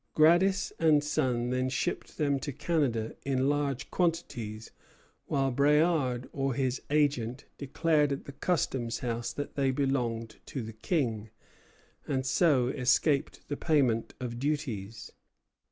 Gradis and Son then shipped them to Canada in large quantities, while Bréard or his agent declared at the custom house that they belonged to the King, and so escaped the payment of duties.